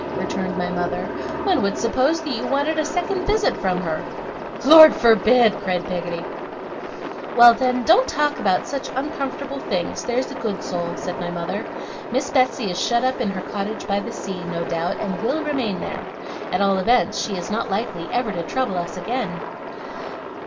returned my mother. 'One would suppose you wanted a second visit from her.' 'Lord forbid!' cried Peggotty. 'Well then, don't talk about such uncomfortable things, there's a good soul,' said my mother. 'Miss Betsey is shut up in her cottage by the sea, no doubt, and will remain there. At all events, she is not likely ever to trouble us again.